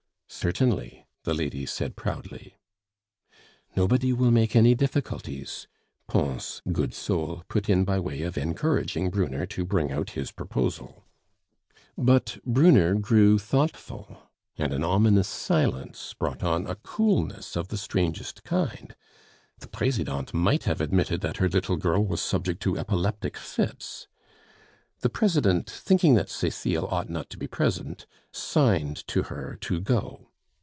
"Certainly," the lady said proudly. "Nobody will make any difficulties," Pons, good soul, put in by way of encouraging Brunner to bring out his proposal. But Brunner grew thoughtful, and an ominous silence brought on a coolness of the strangest kind. The Presidente might have admitted that her "little girl" was subject to epileptic fits. The President, thinking that Cecile ought not to be present, signed to her to go.